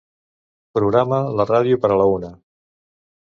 Programa la ràdio per a la una.